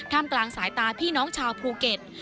กลางสายตาพี่น้องชาวภูเก็ต